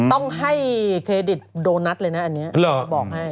ต้องให้เครดิตโดนัทเลยนะอันนี้บอกให้